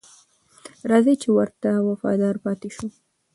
راځئ چې ورته وفادار پاتې شو.